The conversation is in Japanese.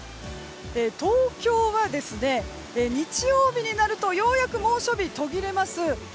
東京は日曜日になるとようやく猛暑日途切れます。